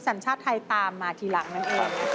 สัญชาติไทยตามมาทีหลังนั่นเอง